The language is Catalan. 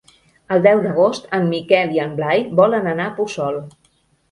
El deu d'agost en Miquel i en Blai volen anar a Puçol.